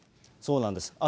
そうなんです。